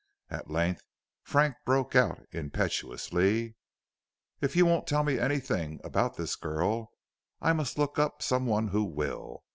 At length Frank broke out impetuously: "If you won't tell me anything about this girl, I must look up some one who will.